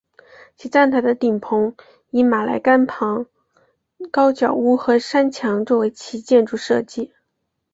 其站台的顶棚以马来甘榜高脚屋和山墙作为其建筑设计。